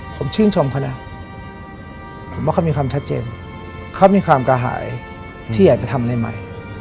ผมชื่นชมเขานะผมว่าเขามีความชัดเจนเขามีความกระหายที่อยากจะทำอะไรใหม่